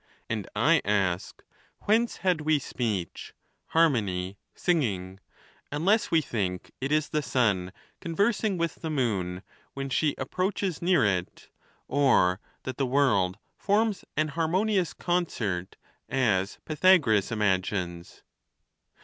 And I ask. Whence had we speech, harmony, singing; unless we think it is the sun conversing with the moon when she ap proaches near it, or that the world forms an harmonious concert, as Pythagoras imagines?